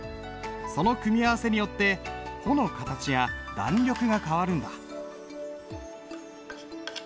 その組み合わせによって穂の形や弾力が変わるんだ。